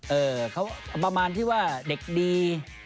เออเขาประมาณที่ว่าเด็กดี